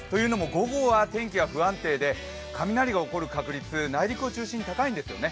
午後は天気が不安定で雷が起こる確率、内陸を中心に高いんですよね。